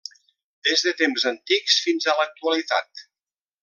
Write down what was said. Des de temps antics fins a l'actualitat.